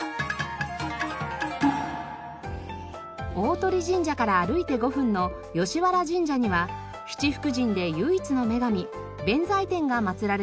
鷲神社から歩いて５分の吉原神社には七福神で唯一の女神弁財天が祭られています。